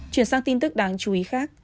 chuyển sang tin tức đáng chú ý khác